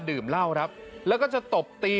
ดื่มเหล้าครับแล้วก็จะตบตี